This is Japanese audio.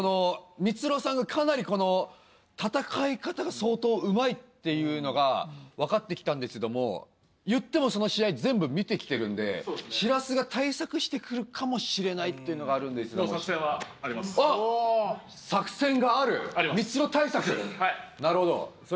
ミツロさんがかなりこの戦い方が相当うまいっていうのが分かってきたんですけども言ってもその試合全部見てきてるんでしらすが対策してくるかもしれないっていうのがあるんで作戦があるミツロ対策なるほどあります